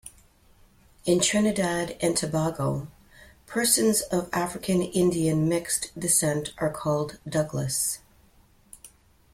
In Trinidad and Tobago, persons of African-Indian mixed descent are called "douglas".